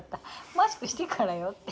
マスクしてからよって。